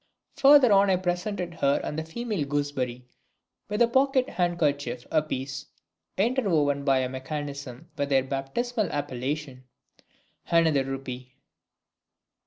Farther on I presented her and the female gooseberry with a pocket handkerchief a piece, interwoven by a mechanism with their baptismal appellation (another rupee!).